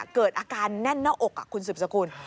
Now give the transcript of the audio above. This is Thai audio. เกิดอาการแน่นหน้าอกคุณสืบสกุล